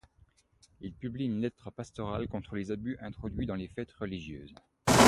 Il publie une lettre pastorale contre les abus introduits dans les fêtes religieuses.